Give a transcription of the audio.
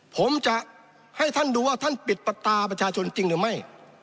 ผมจะให้ท่านดูว่าท่านปิดปากตาประชาชนจริงหรือไม่